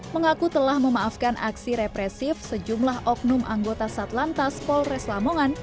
mengaku telah memaafkan aksi represif sejumlah oknum anggota satlantas polres lamongan